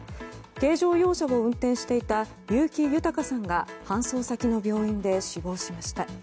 軽乗用車を運転していた結城豊さんが搬送先の病院で死亡しました。